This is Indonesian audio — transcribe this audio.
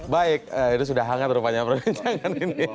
baik itu sudah hangat rupanya perbincangan ini